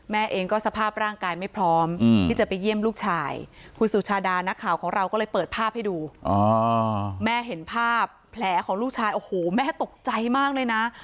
แม่เห็นภาพแผลของลูกชายโอ้โหววแม่ตกใจมากเลยนะ